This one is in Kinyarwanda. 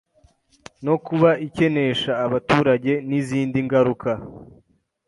no kuba ikenesha abaturage n’izindi ngaruka.